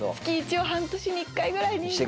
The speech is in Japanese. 月１を半年に１回ぐらいに。